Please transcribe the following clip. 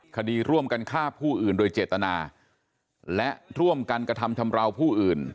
คดีร่วมกันฆ่าผู้อื่นโดยเจตนาและร่วมกันกระทำชำราวผู้อื่น